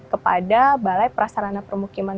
kepada balai prasarana permukiman